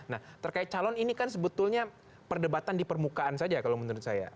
nah terkait calon ini kan sebetulnya perdebatan di permukaan saja kalau menurut saya